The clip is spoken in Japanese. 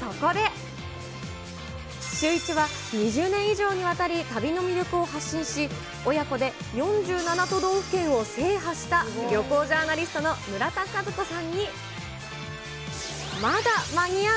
そこで、シューイチは、２０年以上にわたり、旅の魅力を発信し、親子で４７都道府県を制覇した旅行ジャーナリストの村田和子さんに、まだ間に合う！